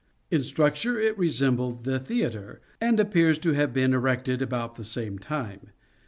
In structure it resembled " The Theatre," and appears to have been erected about the same time.